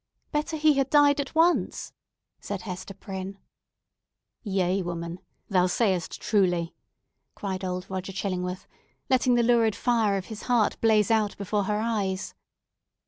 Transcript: "Better he had died at once!" said Hester Prynne. "Yea, woman, thou sayest truly!" cried old Roger Chillingworth, letting the lurid fire of his heart blaze out before her eyes.